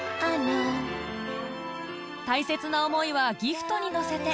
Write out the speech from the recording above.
大切な思いはギフトに乗せて